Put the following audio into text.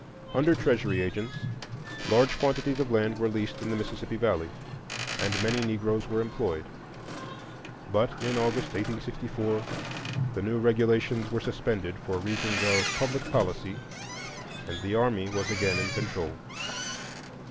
Under Treasury agents, large quantities of land were leased in the Mississippi Valley, and many Negroes were employed; but in August, 1864, the new regulations were suspended for reasons of "public policy," and the army was again in control.